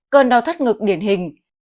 cơn đau thắt ngực điển hình